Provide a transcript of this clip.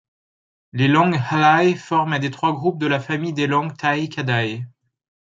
Les langues hlai forment un des trois groupes de la famille des langues tai-kadai.